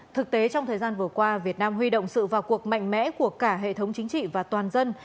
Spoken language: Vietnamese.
thực tế trong thời gian vừa qua việt nam huy động sự vào cuộc mạnh mẽ của cả hệ thống chính trị và toàn dân